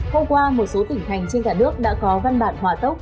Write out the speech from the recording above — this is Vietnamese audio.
hôm qua một số tỉnh thành trên cả nước đã có văn bản hòa tốc